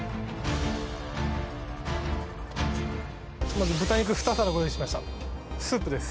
まず豚肉２皿ご用意しましたスープです